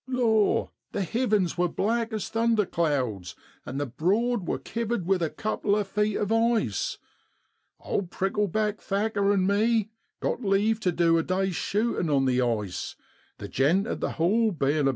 Law ! the hivens wor black as thunder clouds, and the Broad wor kivered with a couple o' feet of ice. Old ' Prickle back ' Thacker an' me got leave tu du a day's shootin' on the ice, the gent at the Hall being a AUGUST IN B1WADLAND.